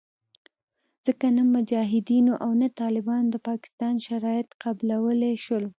ځکه نه مجاهدینو او نه طالبانو د پاکستان شرایط قبلولې شول